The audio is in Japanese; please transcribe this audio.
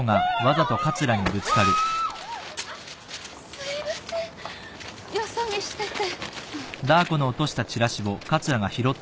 すいませんよそ見してて。